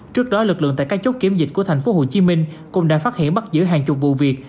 trước đó lực lượng tại các chốt kiểm dịch của tp hcm cũng đã phát hiện bắt giữ hàng chục vụ việc